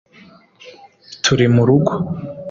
turi murugo